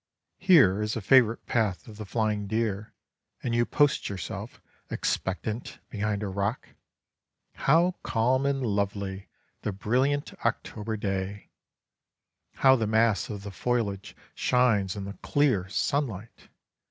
Here is a favorite path of the flying deer, and you post yourself expectant behind a rock. How calm and lovely the brilliant October day! How the mass of the foliage shines in the clear sunlight!